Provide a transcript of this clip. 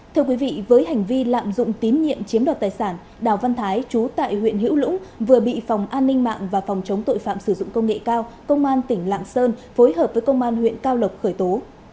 thưa quý vị với hành vi lạm dụng tín nhiệm chiếm đoạt tài sản đào văn thái chú tại huyện hữu lũng vừa bị phòng an ninh mạng và phòng chống tội phạm sử dụng công nghệ cao công an tỉnh lạng sơn phối hợp với công an huyện cao lộc khởi tố